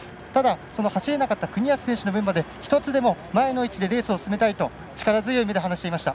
走れなかった、國安選手の分まで１つでも前の位置でレースを進めたいと力強い目で話していました。